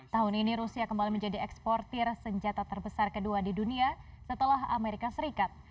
tahun ini rusia kembali menjadi eksportir senjata terbesar kedua di dunia setelah amerika serikat